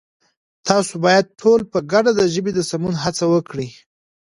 تاسو بايد ټول په گډه د ژبې د سمون هڅه وکړئ!